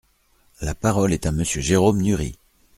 La parole est à Monsieur Jérôme Nury.